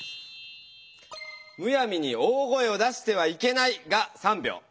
「むやみに大声を出してはいけない」が３票。